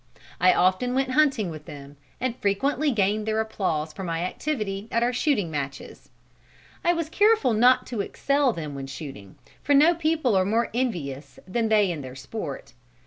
I often went hunting with them, and frequently gained their applause for my activity, at our shooting matches. I was careful not to excel them when shooting, for no people are more envious than they in their sport.